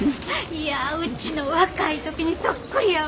いやうちの若い時にそっくりやわ。